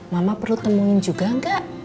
mama perlu temuin juga nggak